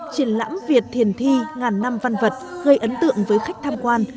triển lãm việt thiền thi ngàn năm văn vật gây ấn tượng với khách tham quan